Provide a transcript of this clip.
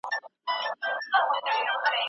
خیر محمد په خپل تلیفون کې د خپل کلي عکسونه کتل.